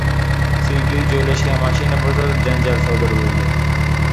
Sergelida joylashgan mashina bozorida janjal sodir bo‘ldi